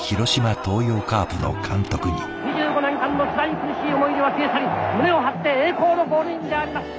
２５年間のつらい苦しい思い出は消え去り胸を張って栄光のゴールインであります。